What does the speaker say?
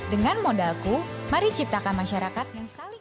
dengan modalku mari ciptakan masyarakat yang saling